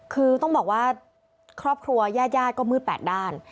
คือต้องบอกว่าครอบครัวยาดก็มืดแปดด้าน